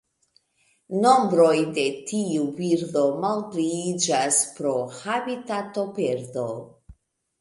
Nombroj de tiu birdo malpliiĝas pro habitatoperdo.